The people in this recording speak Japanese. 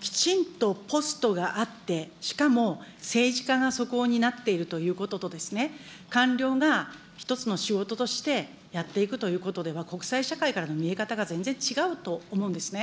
きちんとポストがあって、しかも政治家がそこを担っているということと官僚が一つの仕事としてやっていくということでは、国際社会からの見え方が全然違うと思うんですね。